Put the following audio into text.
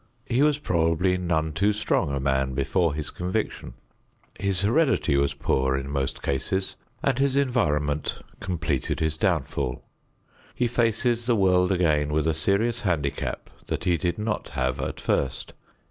He was probably none too strong a man before his conviction. His heredity was poor in most cases, and his environment completed his downfall. He faces the world again with a serious handicap that he did not have at first.